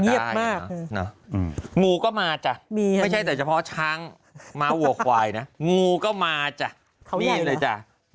มากเลยงูก็มาจ้ะไม่ใช่แต่เฉพาะช้างม้าวัวควายนะงูก็มาจ้ะนี่เลยจ้ะ